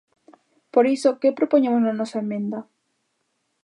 Por iso, ¿que propoñemos na nosa emenda?